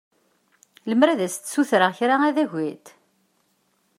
Lemmer ad sent-ssutreɣ kra ad agint?